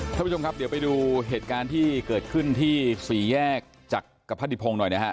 ท่านผู้ชมครับเดี๋ยวไปดูเหตุการณ์ที่เกิดขึ้นที่สี่แยกจักรพรดิพงศ์หน่อยนะฮะ